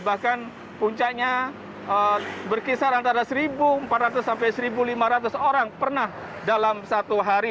bahkan puncaknya berkisar antara satu empat ratus sampai satu lima ratus orang pernah dalam satu hari